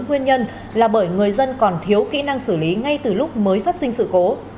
nguyên nhân là bởi người dân còn thiếu kỹ năng xử lý ngay từ lúc mới phát sinh sự cố